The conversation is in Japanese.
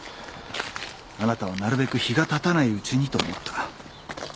あなたはなるべく日がたたないうちにと思った。